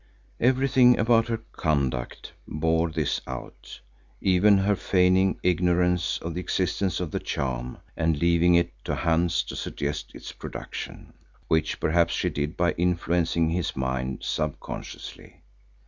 Everything about her conduct bore this out, even her feigning ignorance of the existence of the charm and the leaving of it to Hans to suggest its production, which perhaps she did by influencing his mind subconsciously.